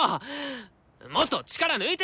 もっと力抜いて！